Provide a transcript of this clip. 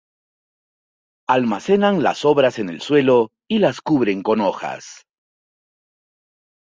Almacenan las sobras en el suelo y las cubren con hojas.